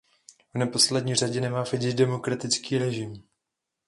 V neposlední řadě nemá Fidži demokratický režim.